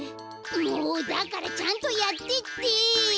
もうだからちゃんとやってって！